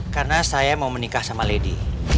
karena saya mau menikah sama lady